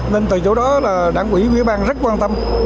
nên từ chỗ đó là đảng quỹ quỹ ban rất quan tâm